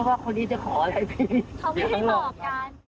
เขาไม่ได้บอกอ่ะ